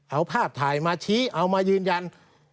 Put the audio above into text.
เอาภาพถ่ายมาชี้เอามายืนยัน